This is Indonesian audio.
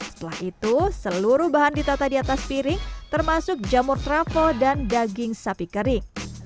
setelah itu seluruh bahan ditata di atas piring termasuk jamur travel dan daging sapi kering